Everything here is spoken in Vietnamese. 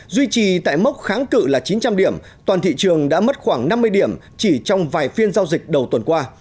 duy trì tại mốc kháng cự là chín trăm linh điểm toàn thị trường đã mất khoảng năm mươi điểm chỉ trong vài phiên giao dịch đầu tuần qua